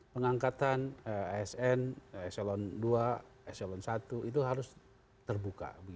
pengangkatan asn eselon dua eselon satu itu harus terbuka